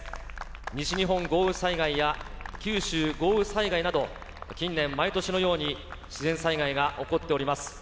西日本豪雨災害や、九州豪雨災害など、近年、毎年のように自然災害が起こっております。